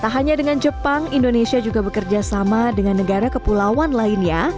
tak hanya dengan jepang indonesia juga bekerja sama dengan negara kepulauan lainnya